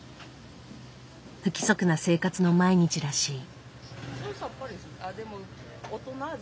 不規則な生活の毎日らしい。